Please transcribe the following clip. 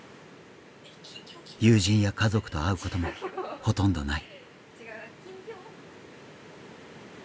友人や家族と会うこともほとんどない。